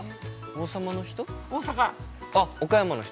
◆王様の人？